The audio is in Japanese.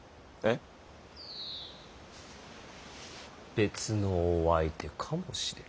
別のお相手かもしれん。